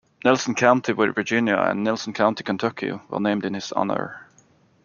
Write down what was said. Nelson County, Virginia and Nelson County, Kentucky were named in his honor.